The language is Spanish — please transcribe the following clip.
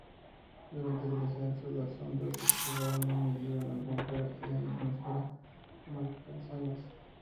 Durante el descenso, las sondas observaron y midieron la atmósfera e ionosfera marcianas.